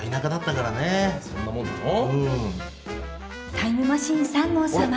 タイムマシーン３号様。